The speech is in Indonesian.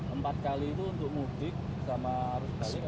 empat kali itu untuk mudik sama arus balik